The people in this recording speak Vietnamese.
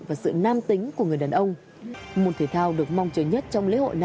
và sự nam tính của người đàn ông môn thể thao được mong chờ nhất trong lễ hội nữ